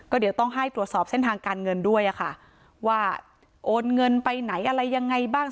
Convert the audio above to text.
เดี๋ยวต้องให้ตรวจสอบเส้นทางการเงินด้วยค่ะว่าโอนเงินไปไหนอะไรยังไงบ้าง